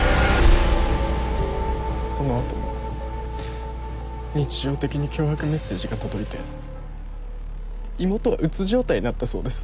その後も日常的に脅迫メッセージが届いて妹は鬱状態になったそうです。